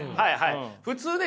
普通ね